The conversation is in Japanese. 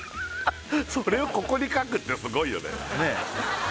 それをここに書くってすごいよねねえ